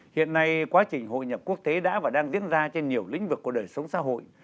hiện nay quá trình hội nhập quốc tế đã và đang diễn ra trên nhiều lĩnh vực của đời sống xã hội